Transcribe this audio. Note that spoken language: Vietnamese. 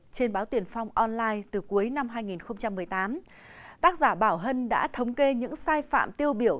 trên báo tiền phong online từ cuối năm hai nghìn một mươi tám tác giả bảo hân đã thống kê những sai phạm tiêu biểu